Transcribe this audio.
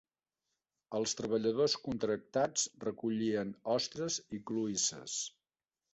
Els treballadors contractats recollien ostres i cloïsses.